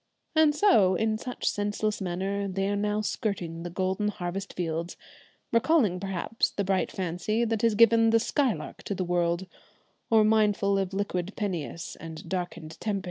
And so, in such senseless manner, they are now skirting the golden harvest fields, recalling perhaps the bright fancy that has given the 'Skylark' to the world, or mindful of "liquid Peneus" and "darkened Tempe."